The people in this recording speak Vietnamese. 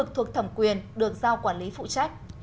thuộc thẩm quyền được giao quản lý phụ trách